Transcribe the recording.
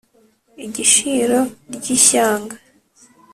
igishiro ry’ishyanga